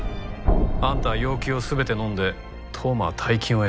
あんたは要求を全てのんで当麻は大金を得た。